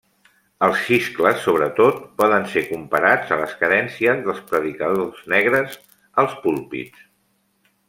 Els xiscles, sobretot, poden ser comparats a les cadències dels predicadors negres als púlpits.